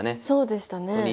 そうでしたね。